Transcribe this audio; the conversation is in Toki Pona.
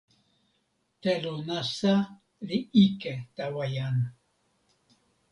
telo nasa li ike tawa jan.